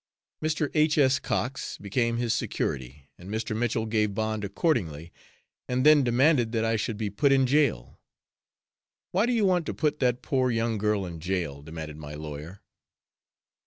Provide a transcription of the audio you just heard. Mr. H. S. Cox became his security and Mr. Mitchell gave bond accordingly, and then demanded that I should be put in jail. "Why do you want to put that poor young girl in jail?" demanded my lawyer.